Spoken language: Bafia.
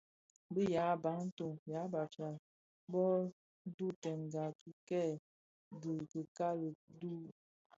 Bi yaa Bantu (yan Bafia) bo dhubtènga dhikèè bi dhikali dü,